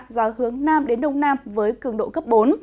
gió hướng nam đến đông nam với cường độ cấp bốn